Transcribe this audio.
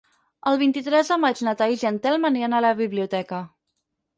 El vint-i-tres de maig na Thaís i en Telm aniran a la biblioteca.